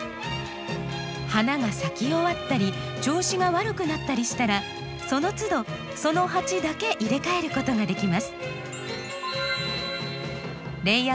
花が咲き終わったり調子が悪くなったりしたらそのつどその鉢だけ入れ替えることができます。